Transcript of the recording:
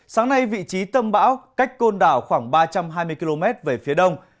sáng nay vị trí tâm bão cách côn đảo khoảng ba trăm hai mươi km về phía đông